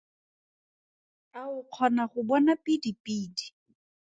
A o kgona go bona pidipidi?